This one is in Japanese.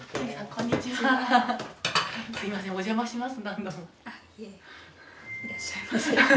あいえいらっしゃいませ。